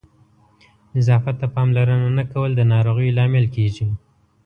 نظافت ته پاملرنه نه کول د ناروغیو لامل کېږي.